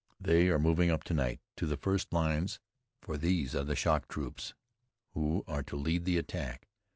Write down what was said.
They are moving up to night to the first lines, for these are the shock troops who are to lead the attack.